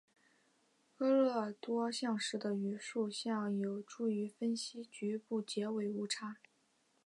泰勒多项式的余数项有助于分析局部截尾误差。